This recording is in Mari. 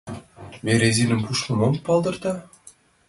Березиным пуштмо мом палдырта?